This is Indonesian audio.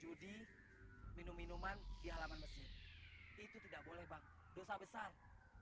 judi minum minuman di halaman masjid itu tidak boleh bang dosa besar